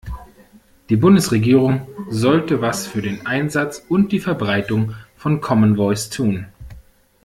Die Bundesregierung sollte was für den Einsatz und die Verbreitung von Common Voice tun.